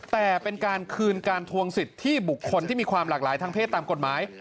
แต่เป็นการคืนการทวงสิทธิ์ที่บุคคลที่มีความหลากหลายทางเพศตามกฎหมาย